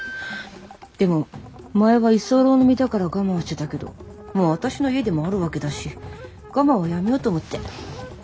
でも前は居候の身だから我慢してたけどもう私の家でもあるわけだし我慢はやめようと思って。